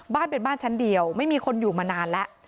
บ้านเป็นบ้านชั้นเดียวไม่มีคนอยู่มานานแล้ว